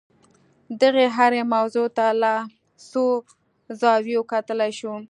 دغې هرې موضوع ته له څو زاویو کتلای شو.